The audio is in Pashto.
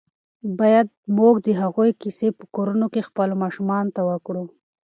باید موږ د هغوی کیسې په کورونو کې خپلو ماشومانو ته وکړو.